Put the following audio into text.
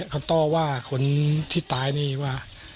เขาต่อว่าคนที่ตายนี่ว่า